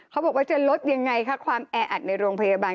เขาบอกว่าจะลดยังไงคะความแออัดในโรงพยาบาล